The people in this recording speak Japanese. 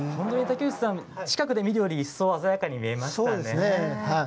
近くで見るより一層、鮮やかに見えましたね。